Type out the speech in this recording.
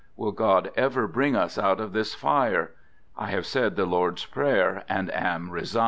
Will God ever bring us out of this fire! I have said the Lord's prayer and am re signed.